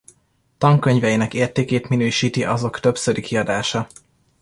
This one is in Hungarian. Tankönyveinek értékét minősíti azok többszöri kiadása.